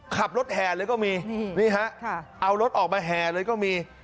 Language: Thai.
ขับรถแห่เลยก็มีนี่ฮะเอารถออกมาแห่เลยก็มี